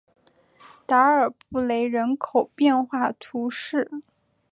达尔布雷人口变化图示